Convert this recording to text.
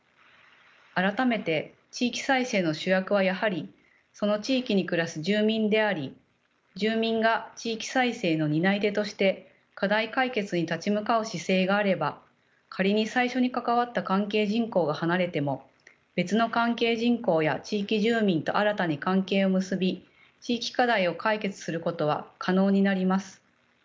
改めて地域再生の主役はやはりその地域に暮らす住民であり住民が地域再生の担い手として課題解決に立ち向かう姿勢があれば仮に最初に関わった関係人口が離れても別の関係人口や地域住民と新たに関係を結び地域課題を解決することは可能になります。